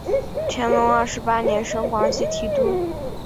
乾隆二十八年升广西提督。